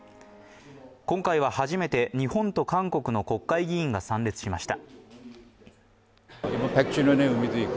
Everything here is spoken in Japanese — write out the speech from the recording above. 今回は初めて日本と韓国の国会議員が参列しました。